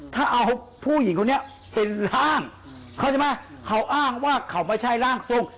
ถ้าเอาผู้หญิงเหลือคนนี้เป็นร่างเขาอ้างว่าเขาไม่ใช่ร่างทรง